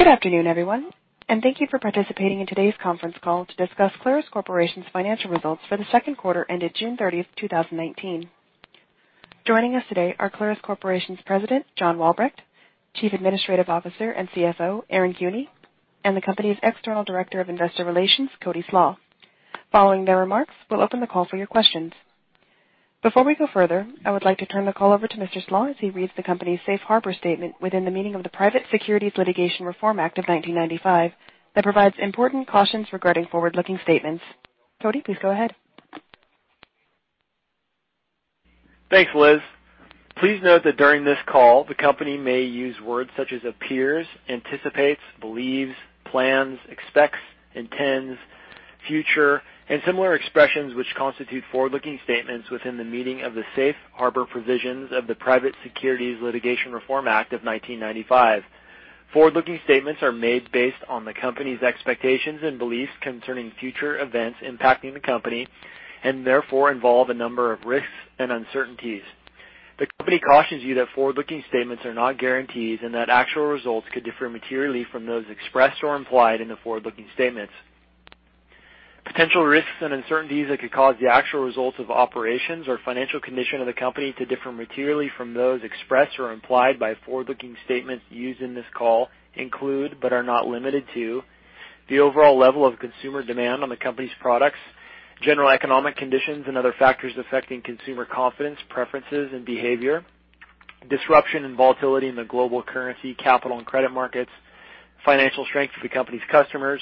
Good afternoon, everyone. Thank you for participating in today's conference call to discuss Clarus Corporation's financial results for the second quarter ended June 30th, 2019. Joining us today are Clarus Corporation's President, John Walbrecht, Chief Administrative Officer and CFO, Aaron Kuehne, and the company's External Director of Investor Relations, Cody Slach. Following their remarks, we'll open the call for your questions. Before we go further, I would like to turn the call over to Mr. Slach as he reads the company's Safe Harbor statement within the meaning of the Private Securities Litigation Reform Act of 1995, that provides important cautions regarding forward-looking statements. Cody, please go ahead. Thanks, Liz. Please note that during this call, the company may use words such as appears, anticipates, believes, plans, expects, intends, future, and similar expressions which constitute forward-looking statements within the meaning of the Safe Harbor provisions of the Private Securities Litigation Reform Act of 1995. Forward-looking statements are made based on the company's expectations and beliefs concerning future events impacting the company, and therefore involve a number of risks and uncertainties. The company cautions you that forward-looking statements are not guarantees, and that actual results could differ materially from those expressed or implied in the forward-looking statements. Potential risks and uncertainties that could cause the actual results of operations or financial condition of the company to differ materially from those expressed or implied by forward-looking statements used in this call include, but are not limited to, the overall level of consumer demand on the company's products, general economic conditions, and other factors affecting consumer confidence, preferences, and behavior, disruption and volatility in the global currency, capital, and credit markets, financial strength of the company's customers,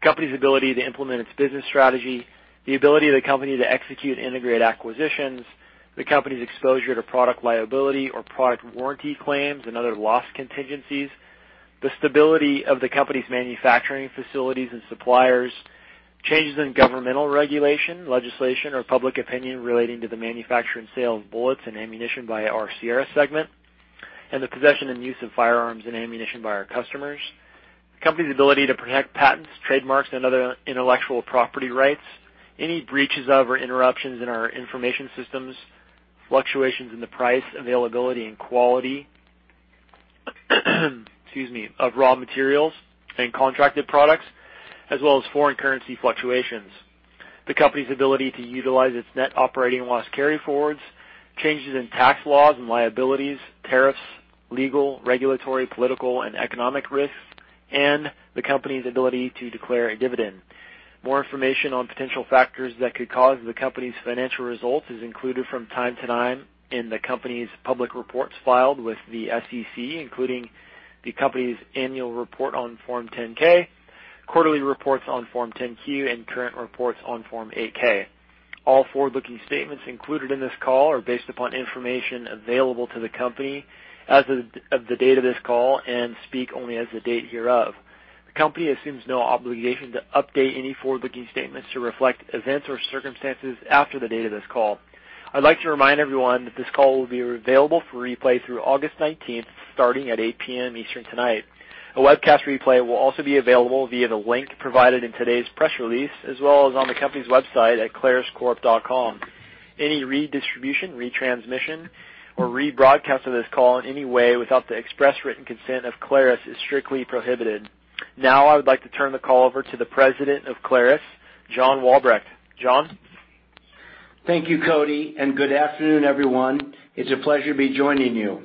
the company's ability to implement its business strategy, the ability of the company to execute integrated acquisitions, the company's exposure to product liability or product warranty claims and other loss contingencies. The stability of the company's manufacturing facilities and suppliers, changes in governmental regulation, legislation, or public opinion relating to the manufacture and sale of bullets and ammunition by our Sierra segment, and the possession and use of firearms and ammunition by our customers, the company's ability to protect patents, trademarks, and other intellectual property rights, any breaches of or interruptions in our information systems, fluctuations in the price, availability, and quality of raw materials and contracted products, as well as foreign currency fluctuations, the company's ability to utilize its net operating loss carryforwards, changes in tax laws and liabilities, tariffs, legal, regulatory, political, and economic risks, and the company's ability to declare a dividend. More information on potential factors that could cause the company's financial results is included from time to time in the company's public reports filed with the SEC, including the company's annual report on Form 10-K, quarterly reports on Form 10-Q, and current reports on Form 8-K. All forward-looking statements included in this call are based upon information available to the company as of the date of this call and speak only as of the date hereof. The company assumes no obligation to update any forward-looking statements to reflect events or circumstances after the date of this call. I'd like to remind everyone that this call will be available for replay through August 19th, starting at 8:00 P.M. Eastern tonight. A webcast replay will also be available via the link provided in today's press release, as well as on the company's website at claruscorp.com. Any redistribution, retransmission, or rebroadcast of this call in any way without the express written consent of Clarus is strictly prohibited. Now I would like to turn the call over to the President of Clarus, John Walbrecht. John? Thank you, Cody. Good afternoon, everyone. It's a pleasure to be joining you.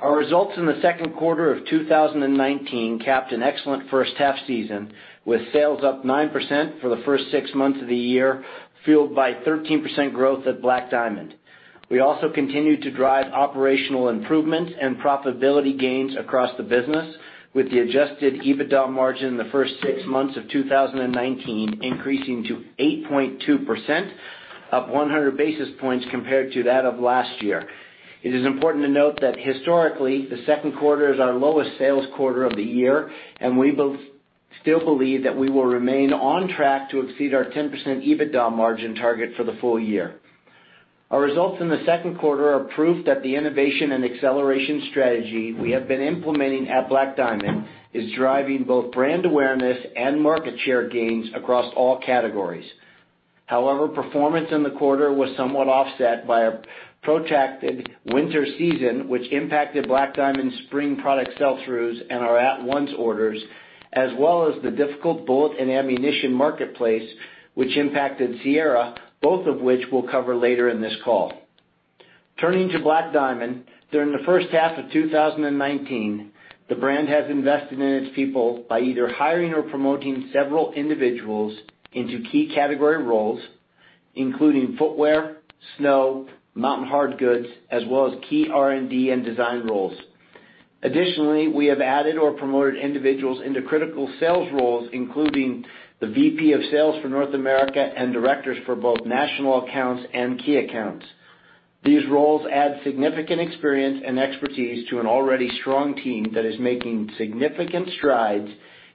Our results in the second quarter of 2019 capped an excellent first half-season, with sales up 9% for the first six months of the year, fueled by 13% growth at Black Diamond. We also continued to drive operational improvement and profitability gains across the business, with the adjusted EBITDA margin in the first six months of 2019 increasing to 8.2%, up 100 basis points compared to that of last year. It is important to note that historically, the second quarter is our lowest sales quarter of the year. We still believe that we will remain on track to exceed our 10% EBITDA margin target for the full year. Our results in the second quarter are proof that the innovation and acceleration strategy we have been implementing at Black Diamond is driving both brand awareness and market share gains across all categories. However, performance in the quarter was somewhat offset by a protracted winter season, which impacted Black Diamond's spring product sell-throughs and our at-once orders, as well as the difficult bullet and ammunition marketplace, which impacted Sierra, both of which we'll cover later in this call. Turning to Black Diamond, during the first half of 2019, the brand has invested in its people by either hiring or promoting several individuals into key category roles, including footwear, snow, mountain hard goods, as well as key R&D and design roles. Additionally, we have added or promoted individuals into critical sales roles, including the VP of Sales for North America and directors for both national accounts and key accounts. These roles add significant experience and expertise to an already strong team that is making significant strides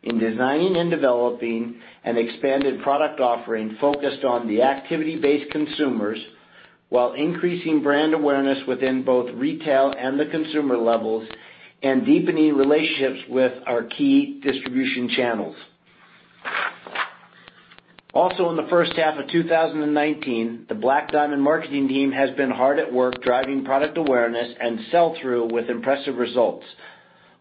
in designing and developing an expanded product offering focused on the activity-based consumers while increasing brand awareness within both retail and the consumer levels and deepening relationships with our key distribution channels. Also in the first half of 2019, the Black Diamond marketing team has been hard at work driving product awareness and sell-through with impressive results.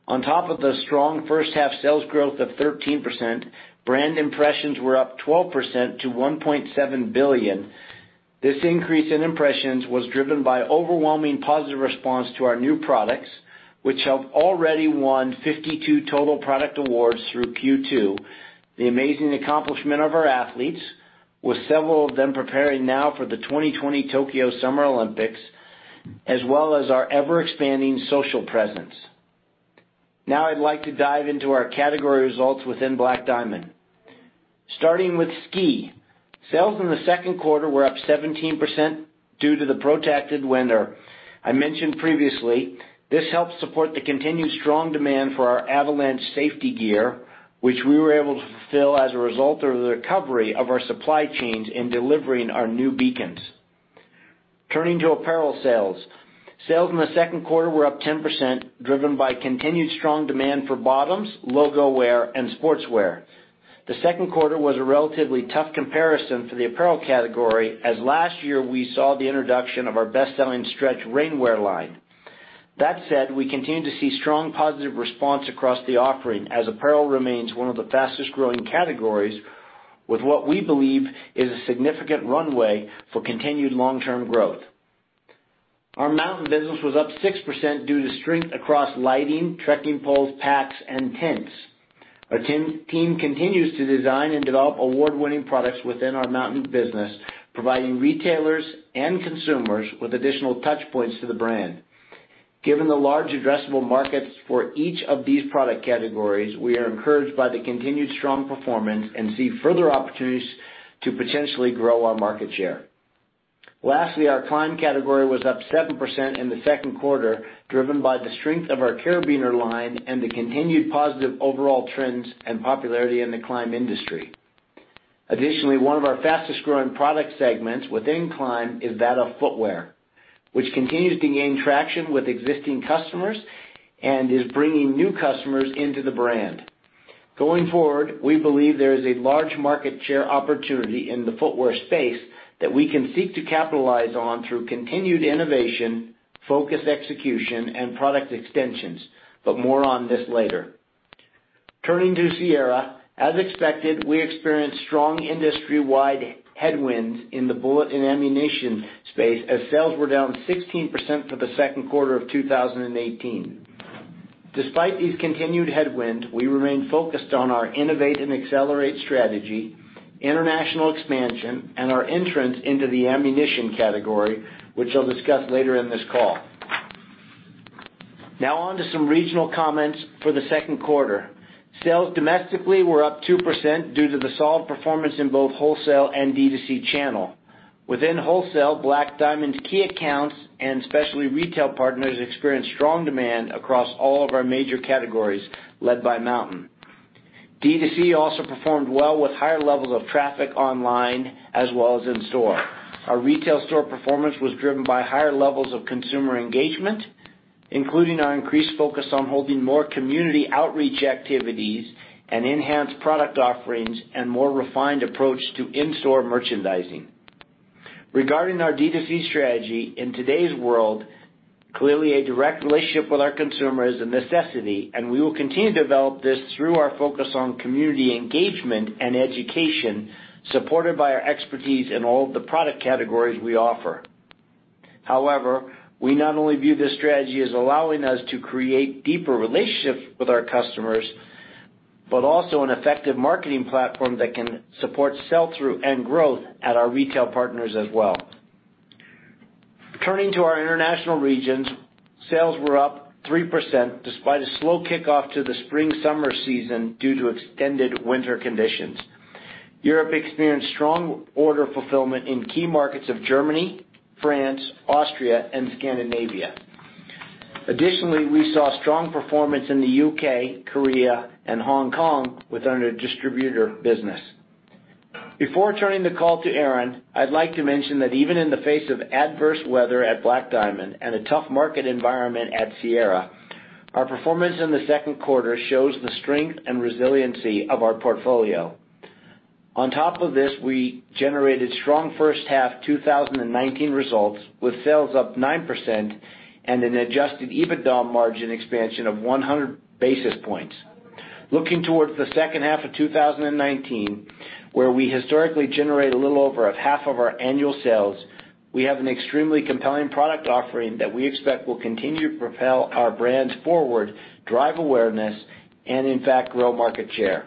On top of the strong first half sales growth of 13%, brand impressions were up 12% to 1.7 billion. This increase in impressions was driven by overwhelming positive response to our new products, which have already won 52 total product awards through Q2, the amazing accomplishment of our athletes, with several of them preparing now for the 2020 Tokyo Summer Olympics, as well as our ever-expanding social presence. I'd like to dive into our category results within Black Diamond. Starting with ski. Sales in the second quarter were up 17% due to the protracted winter. I mentioned previously, this helped support the continued strong demand for our avalanche safety gear, which we were able to fulfill as a result of the recovery of our supply chains in delivering our new beacons. Turning to apparel sales. Sales in the second quarter were up 10%, driven by continued strong demand for bottoms, logo wear, and sportswear. The second quarter was a relatively tough comparison to the apparel category, as last year we saw the introduction of our best-selling Stretch rainwear line. We continue to see strong positive response across the offering, as apparel remains one of the fastest-growing categories with what we believe is a significant runway for continued long-term growth. Our mountain business was up 6% due to strength across lighting, trekking poles, packs, and tents. Our team continues to design and develop award-winning products within our mountain business, providing retailers and consumers with additional touchpoints to the brand. Given the large addressable markets for each of these product categories, we are encouraged by the continued strong performance and see further opportunities to potentially grow our market share. Our climb category was up 7% in the second quarter, driven by the strength of our carabiner line and the continued positive overall trends and popularity in the climb industry. One of our fastest-growing product segments within climb is that of footwear, which continues to gain traction with existing customers and is bringing new customers into the brand. Going forward, we believe there is a large market share opportunity in the footwear space that we can seek to capitalize on through continued innovation, focused execution, and product extensions. More on this later. Turning to Sierra. As expected, we experienced strong industry-wide headwinds in the bullet and ammunition space as sales were down 16% for the second quarter of 2018. Despite these continued headwinds, we remain focused on our innovate and accelerate strategy, international expansion, and our entrance into the ammunition category, which I'll discuss later in this call. On to some regional comments for the second quarter. Sales domestically were up 2% due to the solid performance in both wholesale and D2C channel. Within wholesale, Black Diamond's key accounts and specialty retail partners experienced strong demand across all of our major categories, led by mountain. D2C also performed well with higher levels of traffic online as well as in store. Our retail store performance was driven by higher levels of consumer engagement, including our increased focus on holding more community outreach activities and enhanced product offerings and more refined approach to in-store merchandising. Regarding our D2C strategy, in today's world, clearly a direct relationship with our consumer is a necessity, and we will continue to develop this through our focus on community engagement and education, supported by our expertise in all the product categories we offer. However, we not only view this strategy as allowing us to create deeper relationships with our customers, but also an effective marketing platform that can support sell-through and growth at our retail partners as well. Turning to our international regions, sales were up 3% despite a slow kickoff to the spring-summer season due to extended winter conditions. Europe experienced strong order fulfillment in key markets of Germany, France, Austria, and Scandinavia. Additionally, we saw strong performance in the U.K., Korea, and Hong Kong with our distributor business. Before turning the call to Aaron, I'd like to mention that even in the face of adverse weather at Black Diamond and a tough market environment at Sierra, our performance in the second quarter shows the strength and resiliency of our portfolio. On top of this, we generated strong first half 2019 results with sales up 9% and an adjusted EBITDA margin expansion of 100 basis points. Looking towards the second half of 2019, where we historically generate a little over half of our annual sales, we have an extremely compelling product offering that we expect will continue to propel our brands forward, drive awareness, and in fact, grow market share.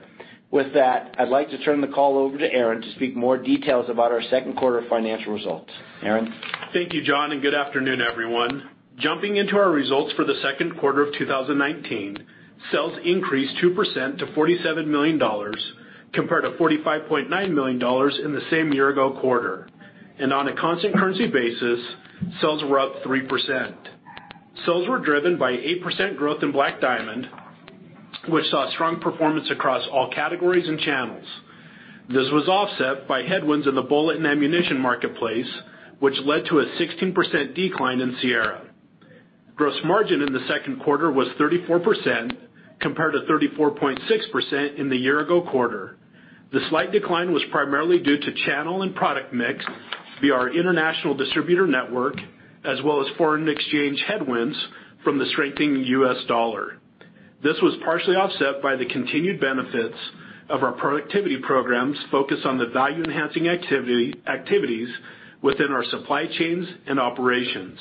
With that, I'd like to turn the call over to Aaron to speak more details about our second quarter financial results. Aaron? Thank you, John, and good afternoon, everyone. Jumping into our results for the second quarter of 2019, sales increased 2% to $47 million, compared to $45.9 million in the same year-ago quarter. On a constant currency basis, sales were up 3%. Sales were driven by 8% growth in Black Diamond, which saw strong performance across all categories and channels. This was offset by headwinds in the bullet and ammunition marketplace, which led to a 16% decline in Sierra. Gross margin in the second quarter was 34%, compared to 34.6% in the year-ago quarter. The slight decline was primarily due to channel and product mix via our international distributor network, as well as foreign exchange headwinds from the strengthening U.S. dollar. This was partially offset by the continued benefits of our productivity programs focused on the value-enhancing activities within our supply chains and operations.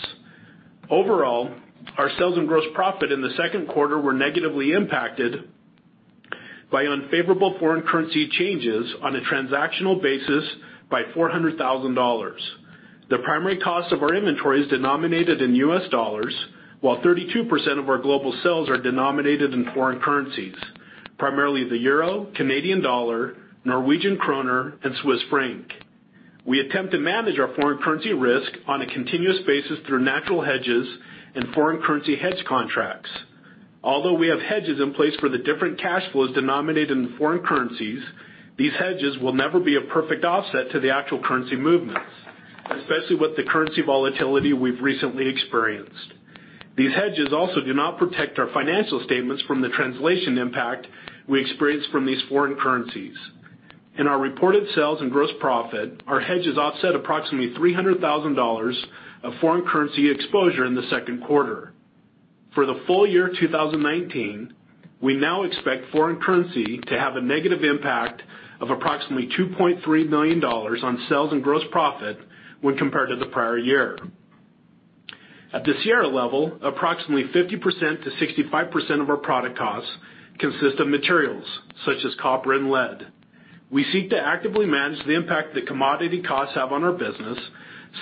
Overall, our sales and gross profit in the second quarter were negatively impacted by unfavorable foreign currency changes on a transactional basis by $400,000. The primary cost of our inventory is denominated in U.S. dollars, while 32% of our global sales are denominated in foreign currencies, primarily the euro, Canadian dollar, Norwegian kroner, and Swiss franc. We attempt to manage our foreign currency risk on a continuous basis through natural hedges and foreign currency hedge contracts. Although we have hedges in place for the different cash flows denominated in foreign currencies, these hedges will never be a perfect offset to the actual currency movements, especially with the currency volatility we've recently experienced. These hedges also do not protect our financial statements from the translation impact we experience from these foreign currencies. In our reported sales and gross profit, our hedges offset approximately $300,000 of foreign currency exposure in the second quarter. For the full year 2019, we now expect foreign currency to have a negative impact of approximately $2.3 million on sales and gross profit when compared to the prior year. At the Sierra level, approximately 50%-65% of our product costs consist of materials, such as copper and lead. We seek to actively manage the impact that commodity costs have on our business,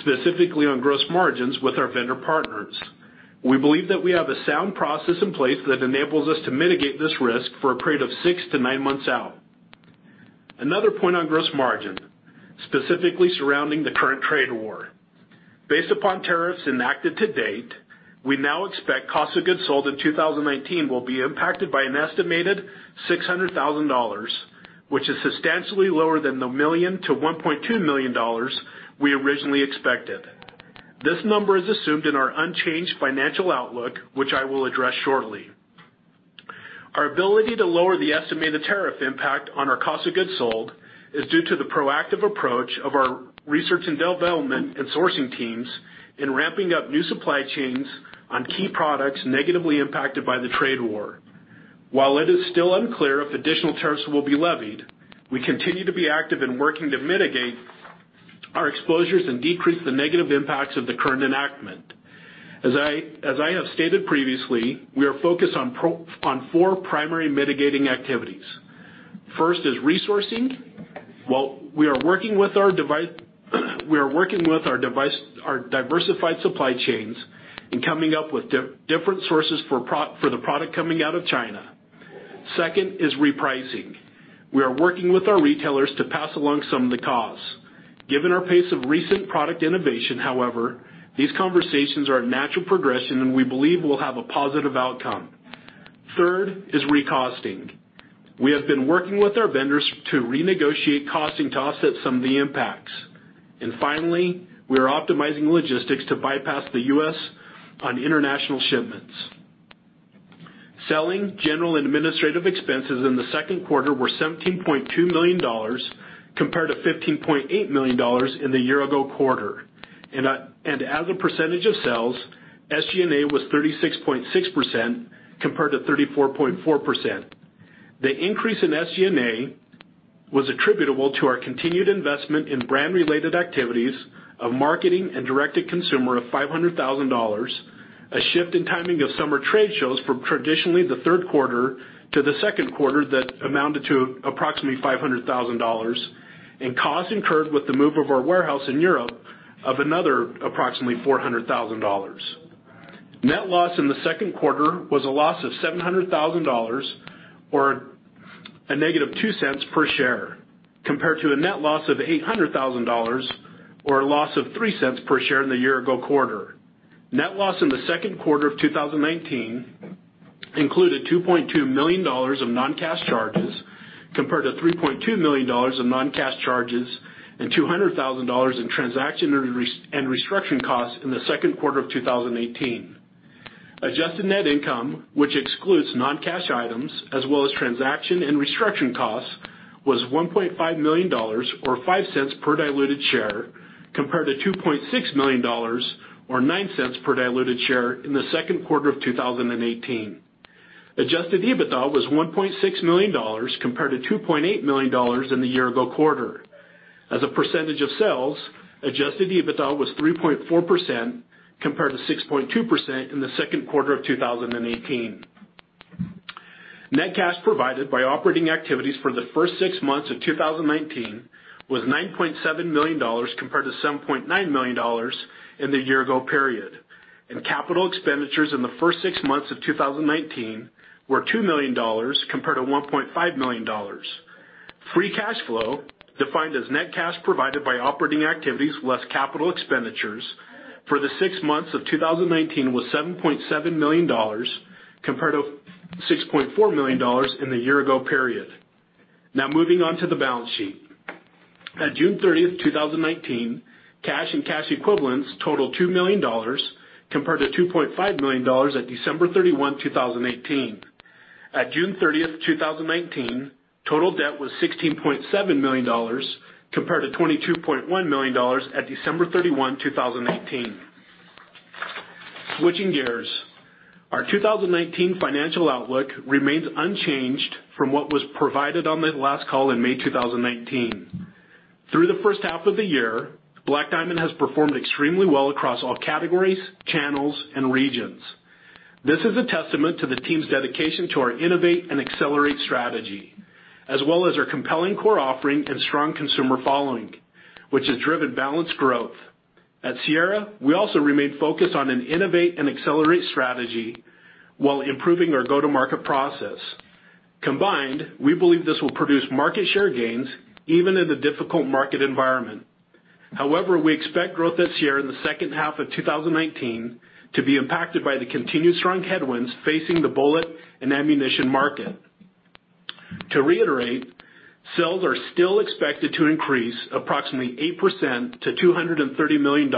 specifically on gross margins with our vendor partners. We believe that we have a sound process in place that enables us to mitigate this risk for a period of six to nine months out. Another point on gross margin, specifically surrounding the current trade war. Based upon tariffs enacted to date, we now expect cost of goods sold in 2019 will be impacted by an estimated $600,000, which is substantially lower than the $1 million-$1.2 million we originally expected. This number is assumed in our unchanged financial outlook, which I will address shortly. Our ability to lower the estimated tariff impact on our cost of goods sold is due to the proactive approach of our research and development and sourcing teams in ramping up new supply chains on key products negatively impacted by the trade war. While it is still unclear if additional tariffs will be levied, we continue to be active in working to mitigate our exposures and decrease the negative impacts of the current enactment. As I have stated previously, we are focused on four primary mitigating activities. First is resourcing. We are working with our diversified supply chains and coming up with different sources for the product coming out of China. Second is repricing. We are working with our retailers to pass along some of the costs. Given our pace of recent product innovation, however, these conversations are a natural progression, and we believe will have a positive outcome. Third is recosting. We have been working with our vendors to renegotiate costing to offset some of the impacts. Finally, we are optimizing logistics to bypass the U.S. on international shipments. Selling, general, and administrative expenses in the second quarter were $17.2 million, compared to $15.8 million in the year ago quarter. As a percentage of sales, SG&A was 36.6%, compared to 34.4%. The increase in SG&A was attributable to our continued investment in brand-related activities of marketing and direct-to-consumer of $500,000, a shift in timing of summer trade shows from traditionally the third quarter to the second quarter that amounted to approximately $500,000, and costs incurred with the move of our warehouse in Europe of another approximately $400,000. Net loss in the second quarter was a loss of $700,000, or a -$0.02 per share, compared to a net loss of $800,000, or a loss of $0.03 per share in the year ago quarter. Net loss in the second quarter of 2019 included $2.2 million of non-cash charges, compared to $3.2 million of non-cash charges and $200,000 in transaction and restructuring costs in the second quarter of 2018. Adjusted net income, which excludes non-cash items as well as transaction and restructuring costs, was $1.5 million, or $0.05 per diluted share, compared to $2.6 million, or $0.09 per diluted share in the second quarter of 2018. Adjusted EBITDA was $1.6 million, compared to $2.8 million in the year ago quarter. As a percentage of sales, adjusted EBITDA was 3.4%, compared to 6.2% in the second quarter of 2018. Net cash provided by operating activities for the first six months of 2019 was $9.7 million, compared to $7.9 million in the year ago period. Capital expenditures in the first six months of 2019 were $2 million, compared to $1.5 million. Free cash flow, defined as net cash provided by operating activities less capital expenditures for the six months of 2019, was $7.7 million, compared to $6.4 million in the year ago period. Now moving on to the balance sheet. At June 30th, 2019, cash and cash equivalents totaled $2 million, compared to $2.5 million at December 31, 2018. At June 30th, 2019, total debt was $16.7 million, compared to $22.1 million at December 31, 2018. Switching gears, our 2019 financial outlook remains unchanged from what was provided on the last call in May 2019. Through the first half of the year, Black Diamond has performed extremely well across all categories, channels, and regions. This is a testament to the team's dedication to our innovate and accelerate strategy, as well as our compelling core offering and strong consumer following, which has driven balanced growth. At Sierra, we also remain focused on an innovate and accelerate strategy while improving our go-to-market process. Combined, we believe this will produce market share gains even in a difficult market environment. However, we expect growth this year in the second half of 2019 to be impacted by the continued strong headwinds facing the bullet and ammunition market. To reiterate, sales are still expected to increase approximately 8% to $230 million,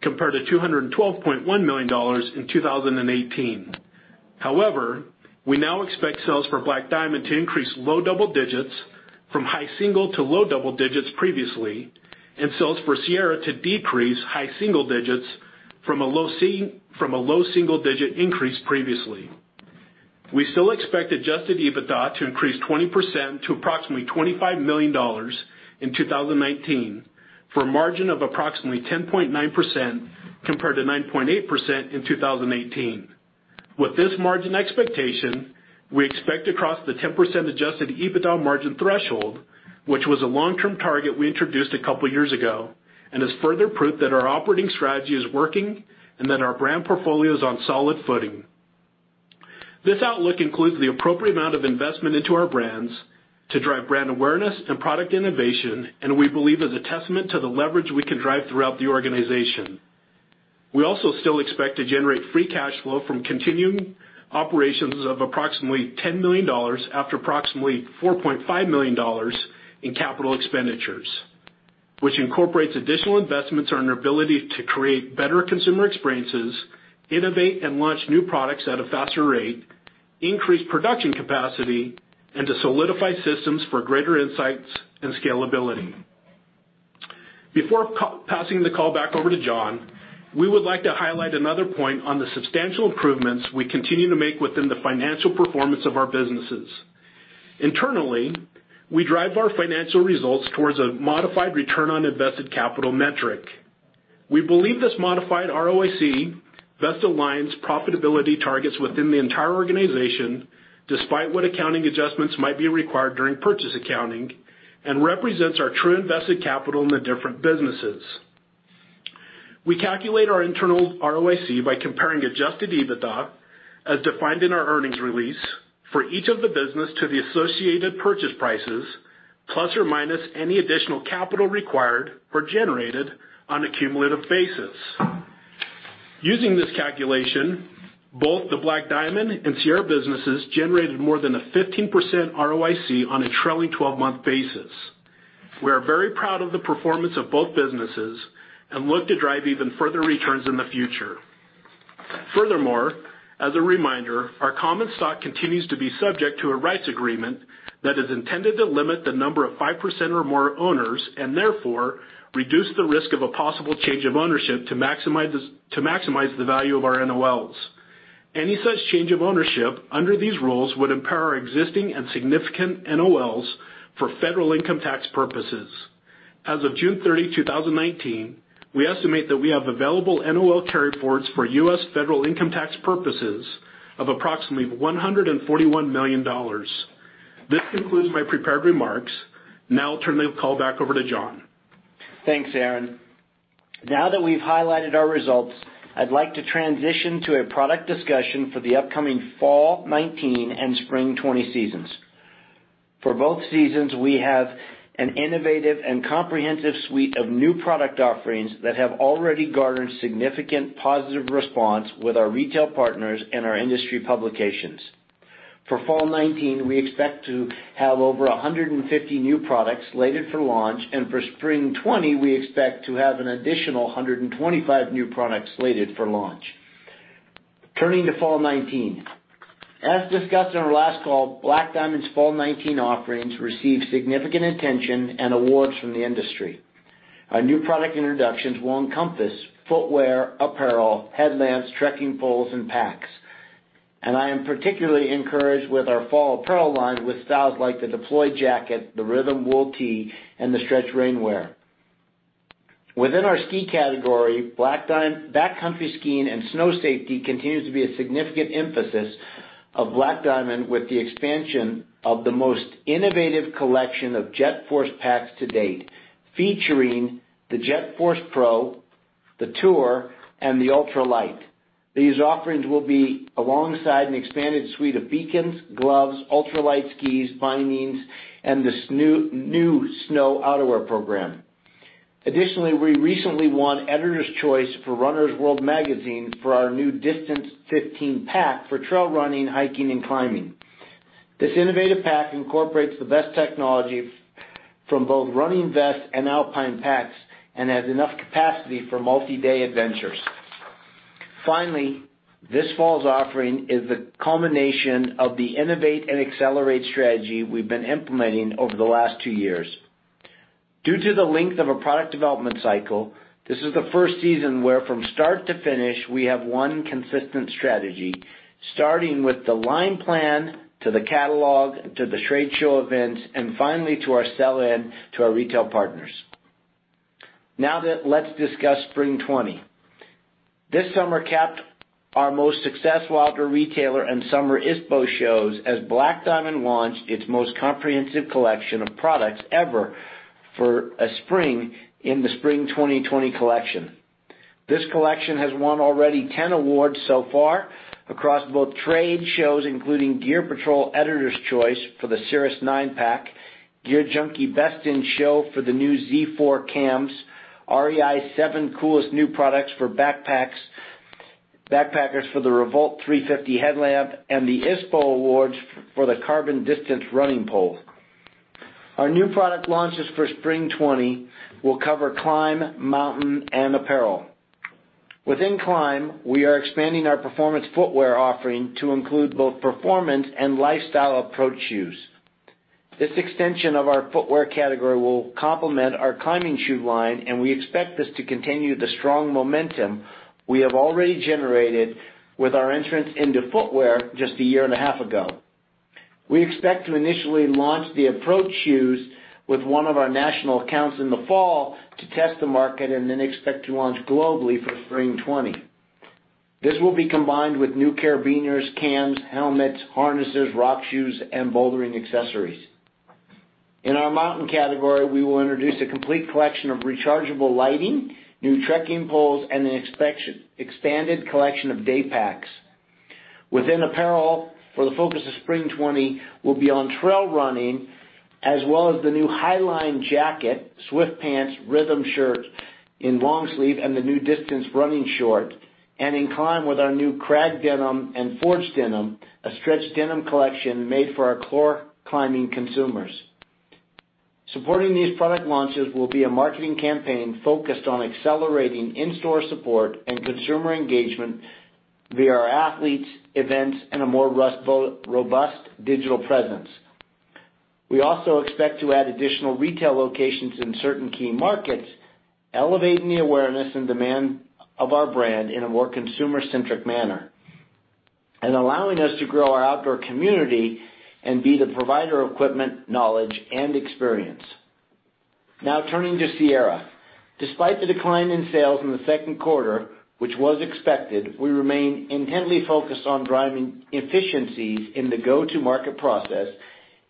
compared to $212.1 million in 2018. However, we now expect sales for Black Diamond to increase low double digits from high single to low double digits previously, and sales for Sierra to decrease high single digits from a low single-digit increase previously. We still expect adjusted EBITDA to increase 20% to approximately $25 million in 2019, for a margin of approximately 10.9% compared to 9.8% in 2018. With this margin expectation, we expect to cross the 10% adjusted EBITDA margin threshold, which was a long-term target we introduced a couple of years ago and is further proof that our operating strategy is working and that our brand portfolio is on solid footing. This outlook includes the appropriate amount of investment into our brands to drive brand awareness and product innovation, and we believe is a testament to the leverage we can drive throughout the organization. We also still expect to generate free cash flow from continuing operations of approximately $10 million after approximately $4.5 million in capital expenditures, which incorporates additional investments in our ability to create better consumer experiences, innovate and launch new products at a faster rate, increase production capacity, and to solidify systems for greater insights and scalability. Before passing the call back over to John, we would like to highlight another point on the substantial improvements we continue to make within the financial performance of our businesses. Internally, we drive our financial results towards a modified return on invested capital metric. We believe this modified ROIC best aligns profitability targets within the entire organization, despite what accounting adjustments might be required during purchase accounting, and represents our true invested capital in the different businesses. We calculate our internal ROIC by comparing adjusted EBITDA, as defined in our earnings release, for each of the business to the associated purchase prices, plus or minus any additional capital required or generated on a cumulative basis. Using this calculation, both the Black Diamond and Sierra businesses generated more than a 15% ROIC on a trailing 12-month basis. We are very proud of the performance of both businesses and look to drive even further returns in the future. Furthermore, as a reminder, our common stock continues to be subject to a rights agreement that is intended to limit the number of 5% or more owners and therefore reduce the risk of a possible change of ownership to maximize the value of our NOLs. Any such change of ownership under these rules would impair our existing and significant NOLs for federal income tax purposes. As of June 30, 2019, we estimate that we have available NOL carryforwards for U.S. federal income tax purposes of approximately $141 million. This concludes my prepared remarks. Now I'll turn the call back over to John. Thanks, Aaron. Now that we've highlighted our results, I'd like to transition to a product discussion for the upcoming fall 2019 and spring 2020 seasons. For both seasons, we have an innovative and comprehensive suite of new product offerings that have already garnered significant positive response with our retail partners and our industry publications. For fall 2019, we expect to have over 150 new products slated for launch. For spring 2020, we expect to have an additional 125 new products slated for launch. Turning to fall 2019. As discussed on our last call, Black Diamond's fall 2019 offerings received significant attention and awards from the industry. Our new product introductions will encompass footwear, apparel, headlamps, trekking poles, and packs. I am particularly encouraged with our fall apparel line with styles like the Deploy jacket, the Rhythm wool tee, and the Stretch rainwear. Within our ski category, backcountry skiing and snow safety continues to be a significant emphasis of Black Diamond with the expansion of the most innovative collection of JetForce packs to date, featuring the JetForce Pro, the Tour, and the Ultralight. These offerings will be alongside an expanded suite of beacons, gloves, ultralight skis, bindings, and this new snow outerwear program. We recently won Editor's Choice for Runner's World magazine for our new Distance 15 pack for trail running, hiking, and climbing. This innovative pack incorporates the best technology from both running vests and alpine packs and has enough capacity for multi-day adventures. This fall's offering is the culmination of the innovate and accelerate Strategy we've been implementing over the last two years. Due to the length of a product development cycle, this is the first season where, from start to finish, we have one consistent strategy, starting with the line plan, to the catalog, to the trade show events, and finally to our sell-in to our retail partners. Let's discuss spring 2020. This summer capped our most successful Outdoor Retailer and summer ISPO shows as Black Diamond launched its most comprehensive collection of products ever for a spring in the Spring 2020 collection. This collection has won already 10 awards so far across both trade shows, including Gear Patrol Editor's Choice for the Cirrus 9 pack, GearJunkie Best in Show for the new Z4 Cams, REI 7 Coolest New Products for Backpackers for the Revolt 350 Headlamp, and the ISPO awards for the Distance Carbon Z Poles. Our new product launches for Spring 2020 will cover climb, mountain, and apparel. Within climb, we are expanding our performance footwear offering to include both performance and lifestyle approach shoes. This extension of our footwear category will complement our climbing shoe line. We expect this to continue the strong momentum we have already generated with our entrance into footwear just a year and a half ago. We expect to initially launch the approach shoes with one of our national accounts in the fall to test the market and then expect to launch globally for spring 2020. This will be combined with new carabiners, cams, helmets, harnesses, rock shoes, and bouldering accessories. In our mountain category, we will introduce a complete collection of rechargeable lighting, new trekking poles, and an expanded collection of day packs. Within apparel, for the focus of spring 2020 will be on trail running, as well as the new Highline jacket, Swift pants, Rhythm shirts in long sleeve, and the new Distance running shorts, and in climb with our new Crag denim and Forged denim, a stretch denim collection made for our core climbing consumers. Supporting these product launches will be a marketing campaign focused on accelerating in-store support and consumer engagement via our athletes, events, and a more robust digital presence. We also expect to add additional retail locations in certain key markets, elevating the awareness and demand of our brand in a more consumer-centric manner and allowing us to grow our outdoor community and be the provider of equipment, knowledge, and experience. Now turning to Sierra. Despite the decline in sales in the second quarter, which was expected, we remain intently focused on driving efficiencies in the go-to-market process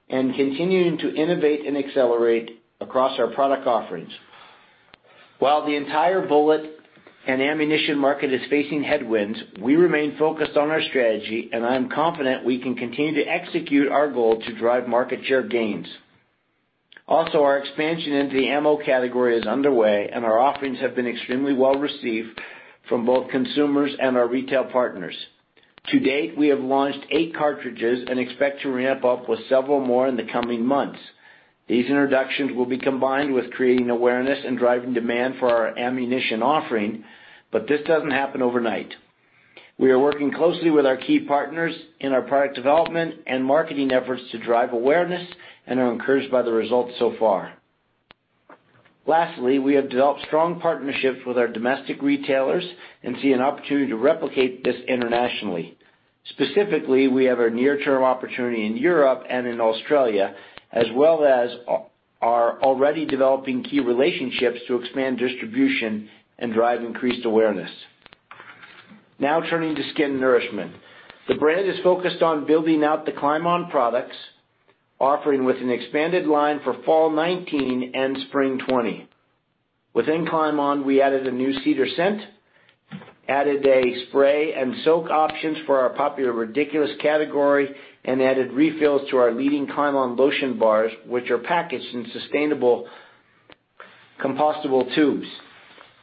and continuing to innovate and accelerate across our product offerings. While the entire bullet and ammunition market is facing headwinds, we remain focused on our strategy, and I am confident we can continue to execute our goal to drive market share gains. Also, our expansion into the ammo category is underway, and our offerings have been extremely well-received from both consumers and our retail partners. To date, we have launched eight cartridges and expect to ramp up with several more in the coming months. These introductions will be combined with creating awareness and driving demand for our ammunition offering, but this doesn't happen overnight. We are working closely with our key partners in our product development and marketing efforts to drive awareness and are encouraged by the results so far. We have developed strong partnerships with our domestic retailers and see an opportunity to replicate this internationally. Specifically, we have a near-term opportunity in Europe and in Australia, as well as are already developing key relationships to expand distribution and drive increased awareness. Turning to SKINourishment. The brand is focused on building out the climbOn products, offering with an expanded line for fall 2019 and spring 2020. Within climbOn, we added a new cedar scent, added a spray and soak options for our popular RIDICULOUS! category, and added refills to our leading climbOn lotion bars, which are packaged in sustainable compostable tubes.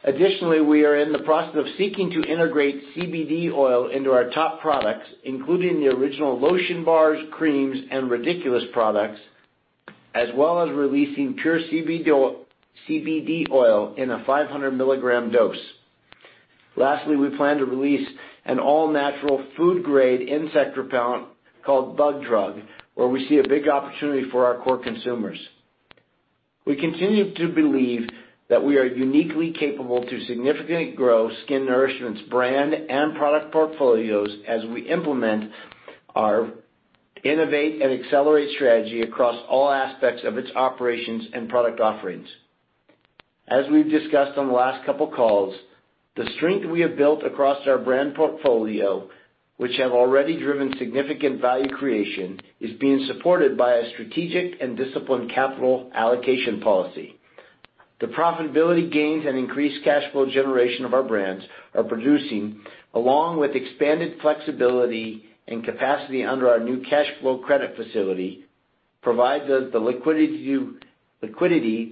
Additionally, we are in the process of seeking to integrate CBD oil into our top products, including the original lotion bars, creams, and RIDICULOUS! products, as well as releasing pure CBD oil in a 500 mg dose. Lastly, we plan to release an all-natural food-grade insect repellent called Bug Drug, where we see a big opportunity for our core consumers. We continue to believe that we are uniquely capable to significantly grow SKINourishment's brand and product portfolios as we implement our innovate and accelerate strategy across all aspects of its operations and product offerings. As we've discussed on the last couple calls, the strength we have built across our brand portfolio, which have already driven significant value creation, is being supported by a strategic and disciplined capital allocation policy. The profitability gains and increased cash flow generation of our brands are producing, along with expanded flexibility and capacity under our new cash flow credit facility provides us the liquidity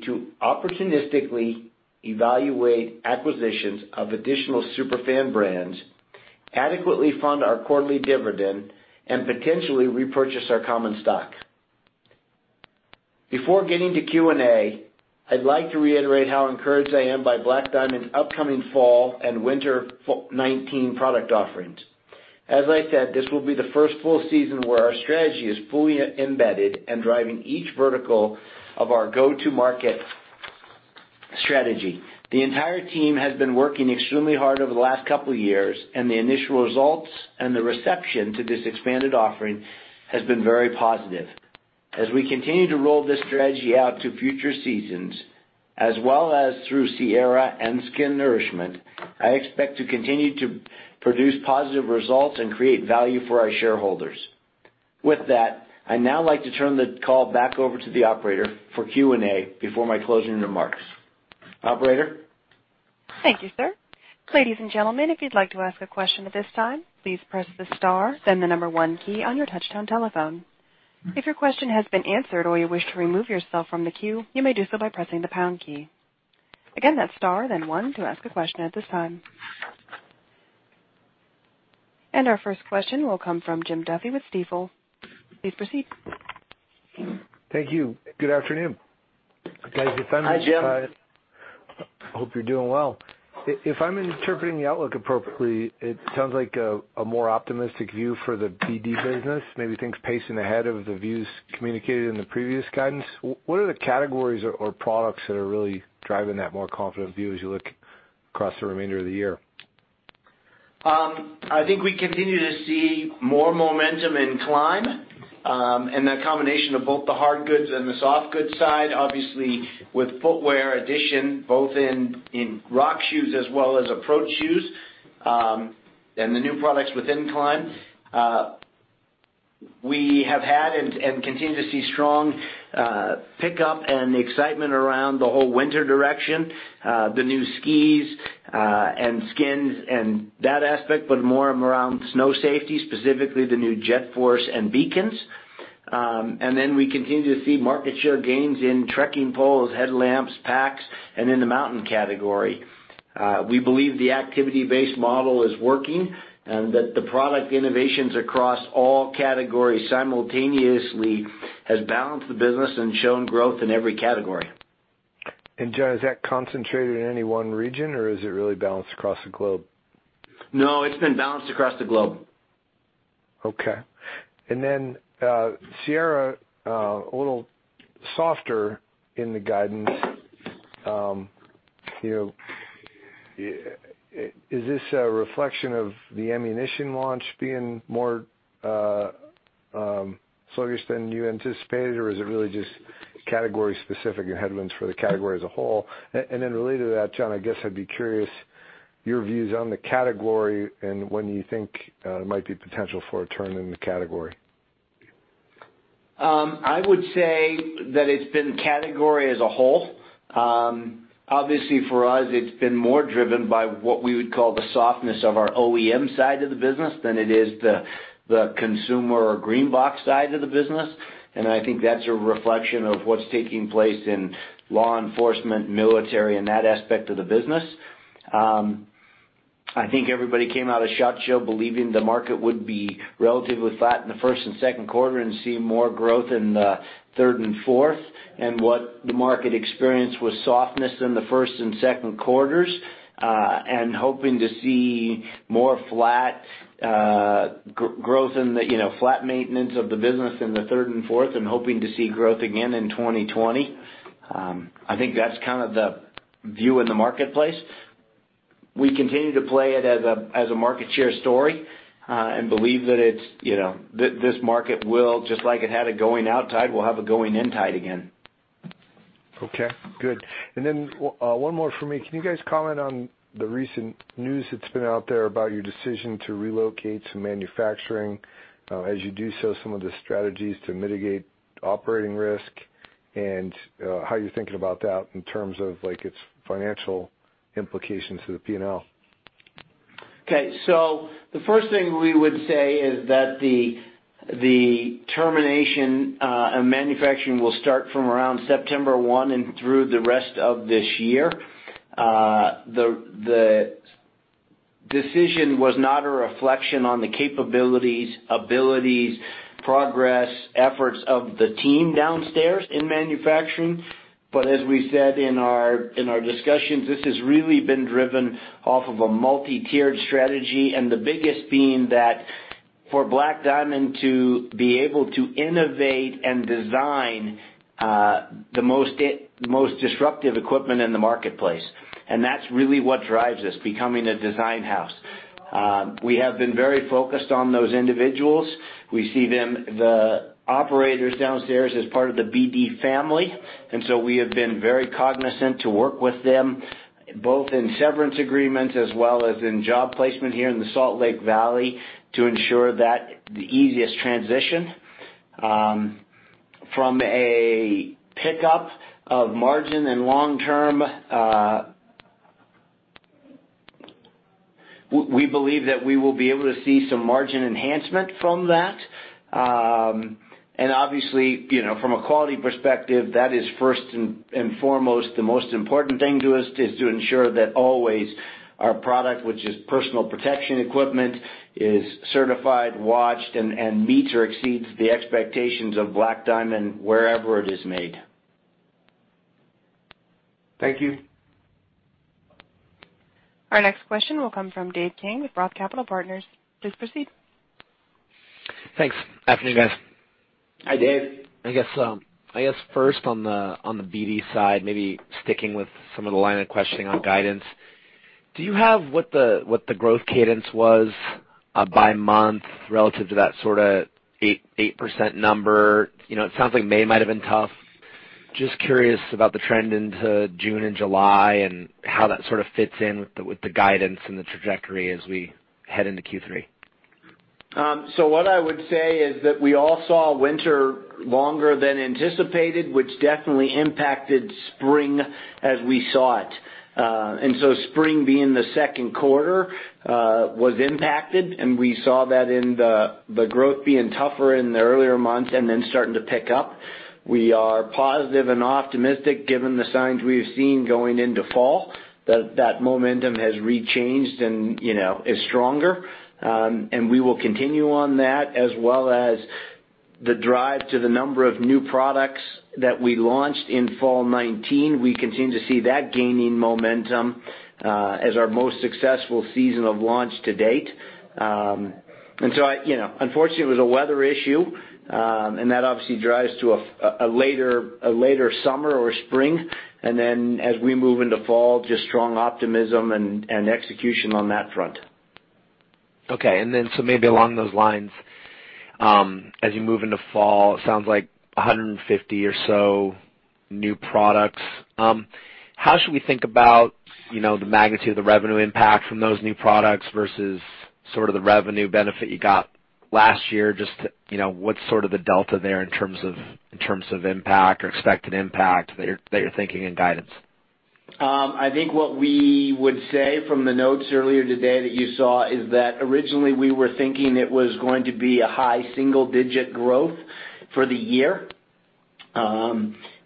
to opportunistically evaluate acquisitions of additional super fan brands, adequately fund our quarterly dividend, and potentially repurchase our common stock. Before getting to Q&A, I'd like to reiterate how encouraged I am by Black Diamond's upcoming fall and winter 2019 product offerings. As I said, this will be the first full season where our strategy is fully embedded and driving each vertical of our go-to market strategy. The entire team has been working extremely hard over the last couple of years, the initial results and the reception to this expanded offering has been very positive. As we continue to roll this strategy out to future seasons, as well as through Sierra and SKINourishment, I expect to continue to produce positive results and create value for our shareholders. With that, I'd now like to turn the call back over to the operator for Q&A before my closing remarks. Operator? Thank you, sir. Ladies and gentlemen, if you'd like to ask a question at this time, please press the star, then the number one key on your touch-tone telephone. If your question has been answered or you wish to remove yourself from the queue, you may do so by pressing the pound key. Again, that's star, then one to ask a question at this time. Our first question will come from Jim Duffy with Stifel. Please proceed. Thank you. Good afternoon. Hi, Jim. I hope you're doing well. If I'm interpreting the outlook appropriately, it sounds like a more optimistic view for the Black Diamond business, maybe things pacing ahead of the views communicated in the previous guidance. What are the categories or products that are really driving that more confident view as you look across the remainder of the year? I think we continue to see more momentum in climb, the combination of both the hard goods and the soft goods side, obviously, with footwear addition, both in rock shoes as well as approach shoes, and the new products within climb. We have had and continue to see strong pickup and excitement around the whole winter direction, the new skis, and skins and that aspect, but more around snow safety, specifically the new JetForce and beacons. Then we continue to see market share gains in trekking poles, headlamps, packs, and in the mountain category. We believe the activity-based model is working and that the product innovations across all categories simultaneously has balanced the business and shown growth in every category. John, is that concentrated in any one region, or is it really balanced across the globe? No, it's been balanced across the globe. Okay. Sierra, a little softer in the guidance. Is this a reflection of the ammunition launch being more sluggish than you anticipated, or is it really just category-specific headwinds for the category as a whole? Related to that, John, I guess I'd be curious, your views on the category and when you think there might be potential for a turn in the category. I would say that it's been category as a whole. Obviously, for us, it's been more driven by what we would call the softness of our OEM side of the business than it is the consumer or green box side of the business. I think that's a reflection of what's taking place in law enforcement, military, and that aspect of the business. I think everybody came out of SHOT Show believing the market would be relatively flat in the first and second quarter and see more growth in the third and fourth. What the market experienced was softness in the first and second quarters, and hoping to see more flat maintenance of the business in the third and fourth and hoping to see growth again in 2020. I think that's kind of the view in the marketplace. We continue to play it as a market share story, and believe that this market will, just like it had a going out tide, will have a going in tide again. Okay, good. One more from me. Can you guys comment on the recent news that's been out there about your decision to relocate some manufacturing? As you do so, some of the strategies to mitigate operating risk and how you're thinking about that in terms of its financial implications to the P&L. Okay. The first thing we would say is that the termination of manufacturing will start from around September 1 and through the rest of this year. The decision was not a reflection on the capabilities, abilities, progress, efforts of the team downstairs in manufacturing. As we said in our discussions, this has really been driven off of a multi-tiered strategy, and the biggest being that for Black Diamond to be able to innovate and design the most disruptive equipment in the marketplace. That's really what drives us, becoming a design house. We have been very focused on those individuals. We see the operators downstairs as part of the Black Diamond family. We have been very cognizant to work with them both in severance agreements as well as in job placement here in the Salt Lake Valley to ensure that the easiest transition. From a pickup of margin, we believe that we will be able to see some margin enhancement from that. Obviously, from a quality perspective, that is first and foremost, the most important thing to us is to ensure that always our product, which is personal protection equipment, is certified, watched, and meets or exceeds the expectations of Black Diamond wherever it is made. Thank you. Our next question will come from Dave King with Roth Capital Partners. Please proceed. Thanks. Afternoon, guys. Hi, Dave. I guess first on the Black Diamond side, maybe sticking with some of the line of questioning on guidance, do you have what the growth cadence was by month relative to that sort of 8% number? It sounds like May might have been tough. Just curious about the trend into June and July and how that sort of fits in with the guidance and the trajectory as we head into Q3. What I would say is that we all saw winter longer than anticipated, which definitely impacted spring as we saw it. Spring being the second quarter, was impacted, and we saw that in the growth being tougher in the earlier months and then starting to pick up. We are positive and optimistic given the signs we have seen going into fall, that that momentum has re-changed and is stronger. We will continue on that as well as the drive to the number of new products that we launched in fall 2019. We continue to see that gaining momentum as our most successful season of launch to date. Unfortunately, it was a weather issue, and that obviously drives to a later summer or spring. Then as we move into fall, just strong optimism and execution on that front. Okay. Maybe along those lines, as you move into fall, it sounds like 150 or so new products. How should we think about the magnitude of the revenue impact from those new products versus sort of the revenue benefit you got last year? Just what's sort of the delta there in terms of impact or expected impact that you're thinking in guidance? I think what we would say from the notes earlier today that you saw is that originally we were thinking it was going to be a high single-digit growth for the year.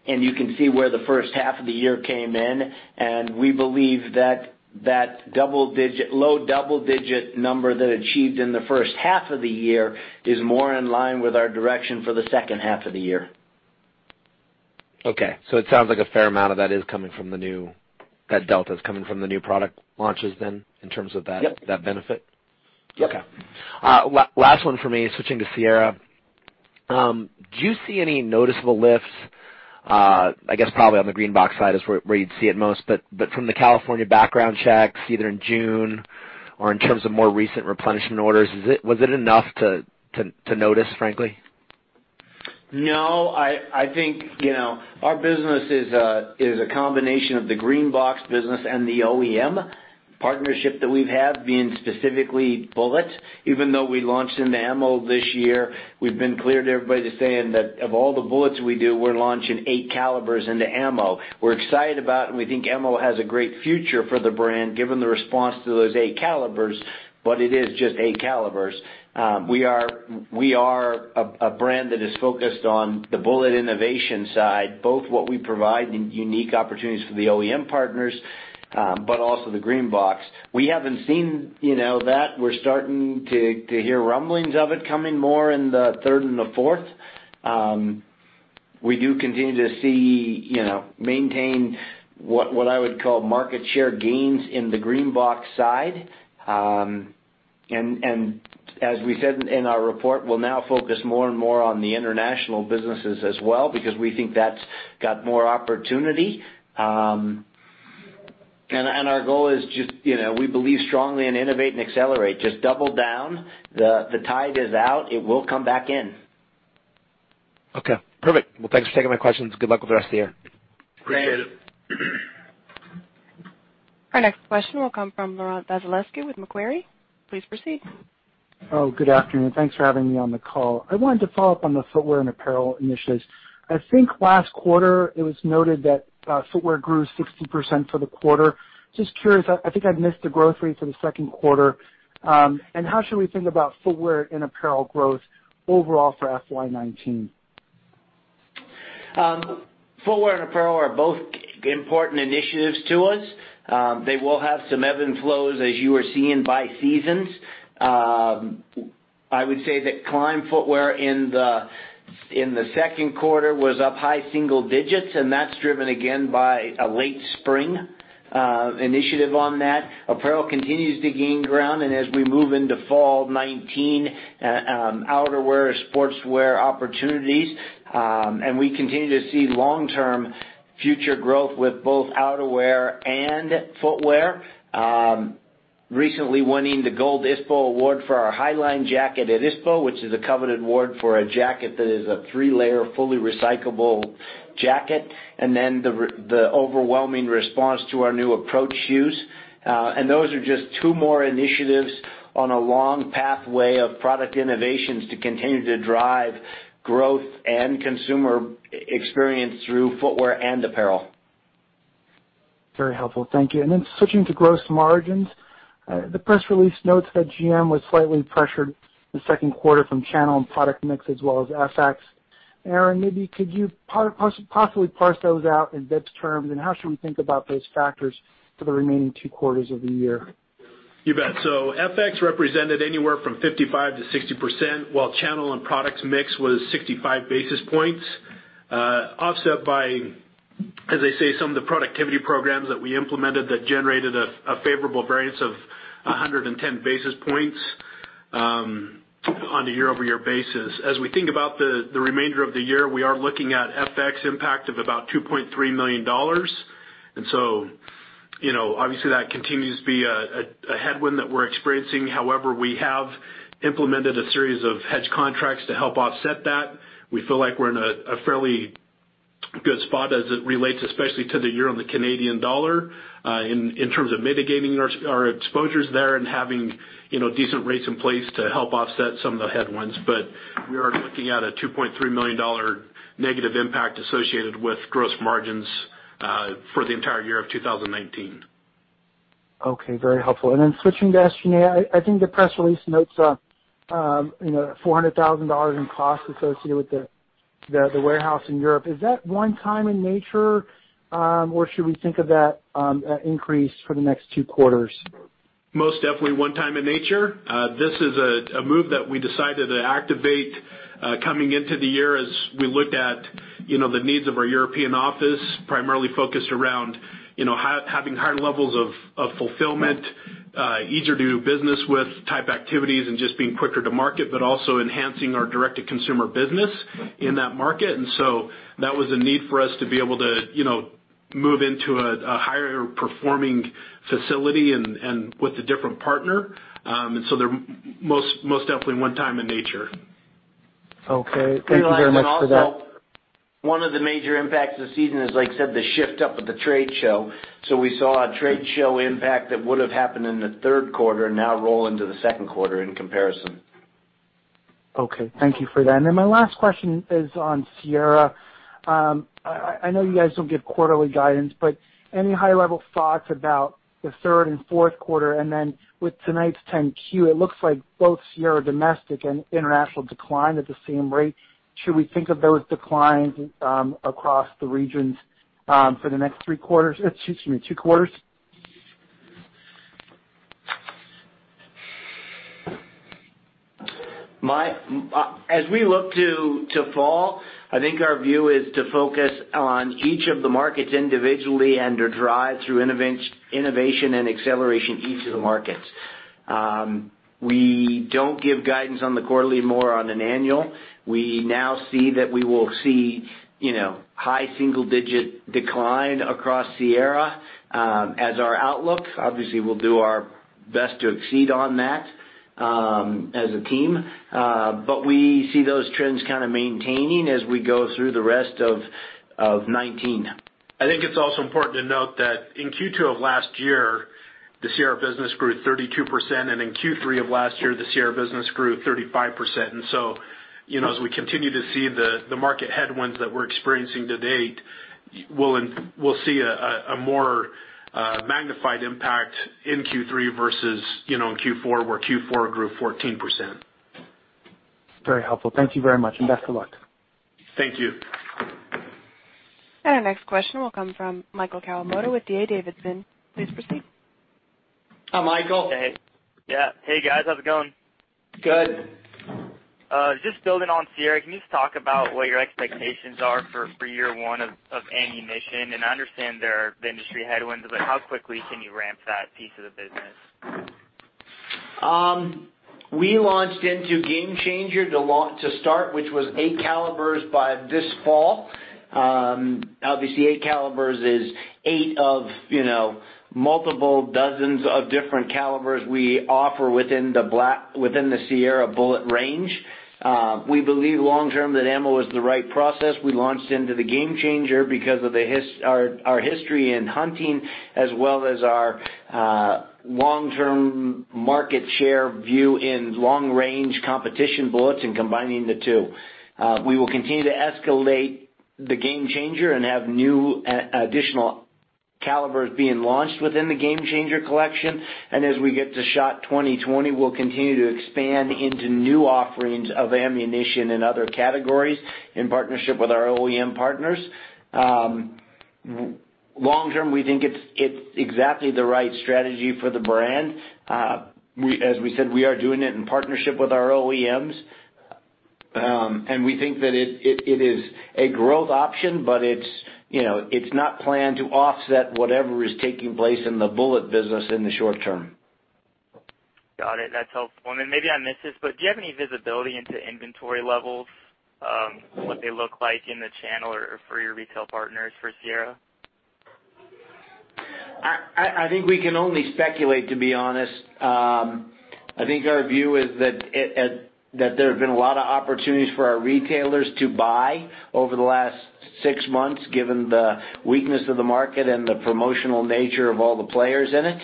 You can see where the first half of the year came in, and we believe that low double-digit number that achieved in the first half of the year is more in line with our direction for the second half of the year. Okay, it sounds like a fair amount of that delta is coming from the new product launches then in terms of that benefit? Yep. Okay. Last one for me, switching to Sierra. Do you see any noticeable lifts, I guess probably on the green box side is where you'd see it most, but from the California background checks, either in June or in terms of more recent replenishment orders, was it enough to notice, frankly? No, I think our business is a combination of the green box business and the OEM partnership that we've had being specifically bullets, even though we launched into ammo this year. We've been clear to everybody saying that of all the bullets we do, we're launching eight calibers into ammo. We're excited about, and we think ammo has a great future for the brand given the response to those eight calibers, but it is just eight calibers. We are a brand that is focused on the bullet innovation side, both what we provide in unique opportunities for the OEM partners, but also the green box. We haven't seen that. We're starting to hear rumblings of it coming more in the third and the fourth. We do continue to maintain what I would call market share gains in the green box side. As we said in our report, we'll now focus more and more on the international businesses as well because we think that's got more opportunity. Our goal is just, we believe strongly in innovate and accelerate, just double down. The tide is out. It will come back in. Okay, perfect. Well, thanks for taking my questions. Good luck with the rest of the year. Appreciate it. Our next question will come from Laurent Vasilescu with Macquarie. Please proceed. Good afternoon. Thanks for having me on the call. I wanted to follow up on the footwear and apparel initiatives. I think last quarter it was noted that footwear grew 60% for the quarter. Just curious, I think I've missed the growth rate for the second quarter. How should we think about footwear and apparel growth overall for FY 2019? Footwear and apparel are both important initiatives to us. They will have some ebb and flows as you are seeing by seasons. I would say that climb footwear in the second quarter was up high single digits, and that's driven again by a late spring initiative on that. Apparel continues to gain ground. As we move into fall 2019, outerwear sportswear opportunities, we continue to see long-term future growth with both outerwear and footwear. Recently winning the Gold ISPO award for our Highline jacket at ISPO, which is a coveted award for a jacket that is a three-layer, fully recyclable jacket. The overwhelming response to our new approach shoes. Those are just two more initiatives on a long pathway of product innovations to continue to drive growth and consumer experience through footwear and apparel. Very helpful. Thank you. Switching to gross margins, the press release notes that gross margin was slightly pressured in the second quarter from channel and product mix as well as FX. Aaron, maybe could you possibly parse those out in basis points terms, and how should we think about those factors for the remaining two quarters of the year? You bet. FX represented anywhere from 55%-60%, while channel and product mix was 65 basis points, offset by, as I say, some of the productivity programs that we implemented that generated a favorable variance of 110 basis points on a year-over-year basis. As we think about the remainder of the year, we are looking at FX impact of about $2.3 million. Obviously that continues to be a headwind that we're experiencing. However, we have implemented a series of hedge contracts to help offset that. We feel like we're in a fairly good spot as it relates especially to the euro and the Canadian dollar, in terms of mitigating our exposures there and having decent rates in place to help offset some of the headwinds. We are looking at a $2.3 million negative impact associated with gross margins for the entire year of 2019. Okay. Very helpful. Switching to SG&A, I think the press release notes a $400,000 in costs associated with the warehouse in Europe. Is that one time in nature, or should we think of that increase for the next two quarters? Most definitely one time in nature. This is a move that we decided to activate coming into the year as we looked at the needs of our European office, primarily focused around having higher levels of fulfillment, easier to do business with type activities, and just being quicker to market, but also enhancing our direct-to-consumer business in that market. That was a need for us to be able to move into a higher performing facility and with a different partner. They're most definitely one time in nature. Okay. Thank you very much for that. Also, one of the major impacts this season is, like I said, the shift up at the trade show. We saw a trade show impact that would've happened in the third quarter now roll into the second quarter in comparison. Okay, thank you for that. My last question is on Sierra. I know you guys don't give quarterly guidance, but any high-level thoughts about the third and fourth quarter? With tonight's 10-Q, it looks like both Sierra domestic and international declined at the same rate. Should we think of those declines across the regions for the next two quarters? As we look to fall, I think our view is to focus on each of the markets individually and to drive through innovation and acceleration in each of the markets. We don't give guidance on the quarterly, more on an annual. We now see that we will see high single digit decline across Sierra as our outlook. Obviously, we'll do our best to exceed on that as a team. We see those trends kind of maintaining as we go through the rest of 2019. I think it's also important to note that in Q2 of last year, the Sierra business grew 32%, and in Q3 of last year, the Sierra business grew 35%. As we continue to see the market headwinds that we're experiencing to date, we'll see a more magnified impact in Q3 versus in Q4, where Q4 grew 14%. Very helpful. Thank you very much, and best of luck. Thank you. Our next question will come from Michael Kawamoto with D.A. Davidson. Please proceed. Hi, Michael. Hey. Yeah. Hey, guys. How's it going? Good. Just building on Sierra, can you just talk about what your expectations are for year one of ammunition? I understand there are industry headwinds, but how quickly can you ramp that piece of the business? We launched into GameChanger to start, which was eight calibers by this fall. Obviously, eight calibers is eight of multiple dozens of different calibers we offer within the Sierra Bullets range. We believe long-term that ammo is the right process. We launched into the GameChanger because of our history in hunting as well as our long-term market share view in long range competition bullets and combining the two. We will continue to escalate the GameChanger and have new additional calibers being launched within the GameChanger collection. As we get to SHOT Show 2020, we'll continue to expand into new offerings of ammunition in other categories in partnership with our OEM partners. Long-term, we think it's exactly the right strategy for the brand. As we said, we are doing it in partnership with our OEMs, and we think that it is a growth option, but it's not planned to offset whatever is taking place in the bullet business in the short term. Got it. That's helpful. Maybe I missed this, but do you have any visibility into inventory levels, what they look like in the channel or for your retail partners for Sierra? I think we can only speculate, to be honest. I think our view is that there have been a lot of opportunities for our retailers to buy over the last six months, given the weakness of the market and the promotional nature of all the players in it.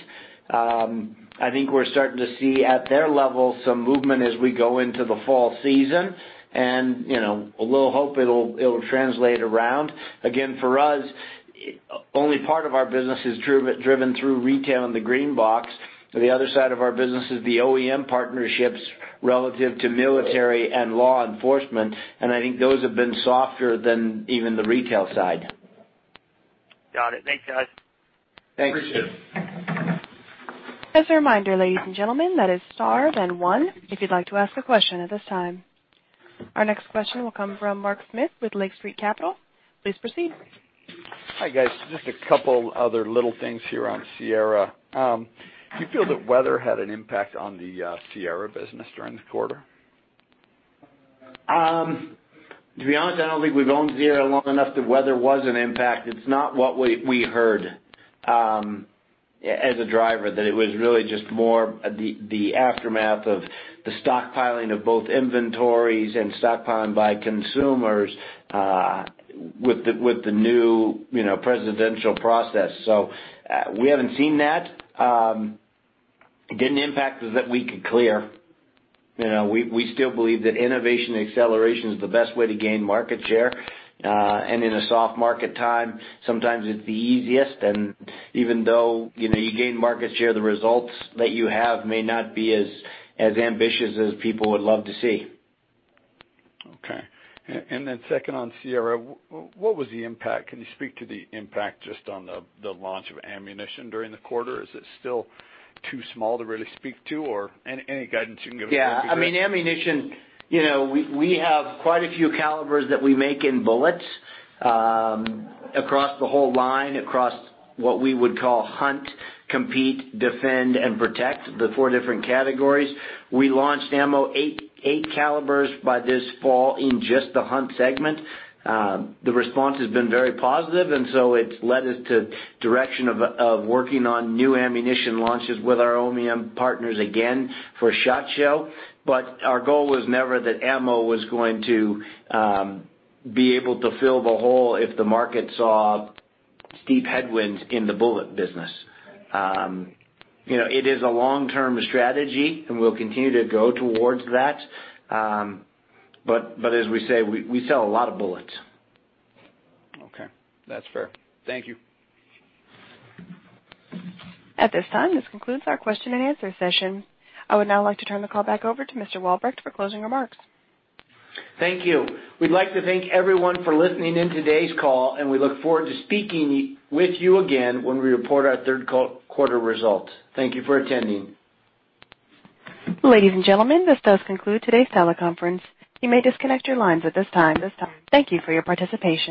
I think we're starting to see at their level some movement as we go into the fall season, and a little hope it'll translate around. Again, for us, only part of our business is driven through retail and the green box. The other side of our business is the OEM partnerships relative to military and law enforcement. I think those have been softer than even the retail side. Got it. Thanks, guys. Thanks. Appreciate it. As a reminder, ladies and gentlemen, that is star then one if you'd like to ask a question at this time. Our next question will come from Mark Smith with Lake Street Capital. Please proceed. Hi, guys. Just a couple other little things here on Sierra. Do you feel that weather had an impact on the Sierra business during the quarter? To be honest, I don't think we've owned Sierra long enough that weather was an impact. It's not what we heard as a driver, that it was really just more the aftermath of the stockpiling of both inventories and stockpiling by consumers with the new presidential process. We haven't seen that. It didn't impact us that we could clear. We still believe that innovation acceleration is the best way to gain market share. In a soft market time, sometimes it's the easiest, and even though you gain market share, the results that you have may not be as ambitious as people would love to see. Okay. Second on Sierra, what was the impact? Can you speak to the impact just on the launch of ammunition during the quarter? Is it still too small to really speak to, or any guidance you can give would be great. Ammunition, we have quite a few calibers that we make in bullets across the whole line, across what we would call hunt, compete, defend, and protect, the four different categories. We launched ammo, eight calibers by this fall in just the hunt segment. The response has been very positive, and so it's led us to direction of working on new ammunition launches with our OEM partners again for SHOT Show. Our goal was never that ammo was going to be able to fill the hole if the market saw steep headwinds in the bullet business. It is a long-term strategy, and we'll continue to go towards that. As we say, we sell a lot of bullets. Okay. That's fair. Thank you. At this time, this concludes our question and answer session. I would now like to turn the call back over to Mr. Walbrecht for closing remarks. Thank you. We'd like to thank everyone for listening in today's call, and we look forward to speaking with you again when we report our third quarter results. Thank you for attending. Ladies and gentlemen, this does conclude today's teleconference. You may disconnect your lines at this time. Thank you for your participation.